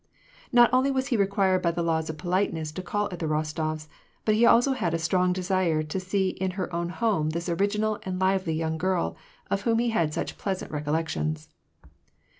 Not only was he required by the laws of politeness to call at the Rostofs, but he also had a strong desire to see in her own home this original and lively young girly of whom he had such pleasant recollections.